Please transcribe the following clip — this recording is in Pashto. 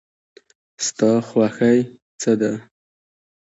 ستا خوښی څه ده؟